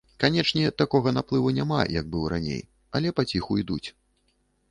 Канечне, такога наплыву няма, як быў раней, але паціху ідуць.